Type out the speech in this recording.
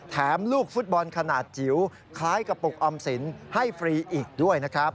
ลูกฟุตบอลขนาดจิ๋วคล้ายกระปุกออมสินให้ฟรีอีกด้วยนะครับ